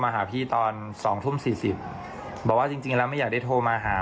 หาพี่ตอน๒ทุ่ม๔๐บอกว่าจริงแล้วไม่อยากได้โทรมาหา